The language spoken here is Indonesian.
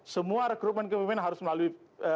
semua rekrutmen kepemimpinan harus melalui